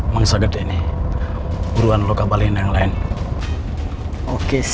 mengsaget ini buruan loka balen yang lain oke siap